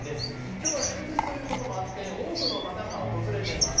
今日は祝日ということもあって多くの方が訪れています。